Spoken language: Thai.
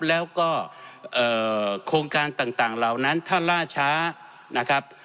แล้วก็เอ่อโครงการต่างต่างเหล่านั้นท่านราชานะครับ